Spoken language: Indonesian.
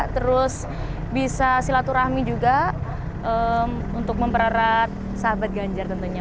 terus bisa silaturahmi juga untuk mempererat sahabat ganjar tentunya